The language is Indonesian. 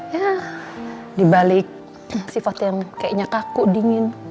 ya dibalik sifat yang kayaknya kaku dingin